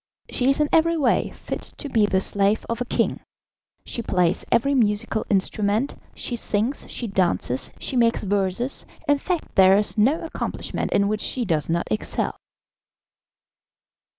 She is in every way fit to be the slave of a king; she plays every musical instrument, she sings, she dances, she makes verses, in fact there is no accomplishment in which she does not excel."